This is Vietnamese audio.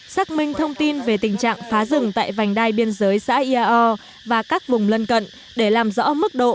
xác minh thông tin về tình trạng phá rừng tại vành đai biên giới xã iao và các vùng lân cận để làm rõ mức độ